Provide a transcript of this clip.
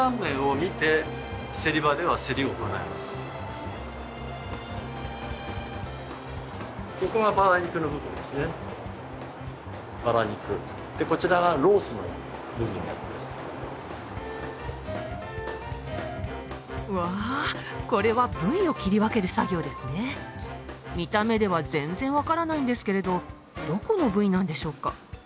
見た目では全然分からないんですけれどどこの部位なんでしょうか？